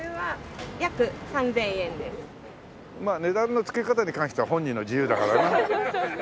まあ値段の付け方に関しては本人の自由だからな。